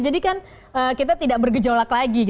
jadi kan kita tidak bergejolak lagi